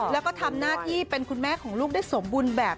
แล้วก็ทำหน้าที่เป็นคุณแม่ของลูกได้สมบูรณ์แบบ